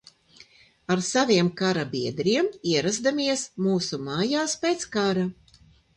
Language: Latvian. Ar saviem kara biedriem ierazdamies mūsu mājās pēc kara.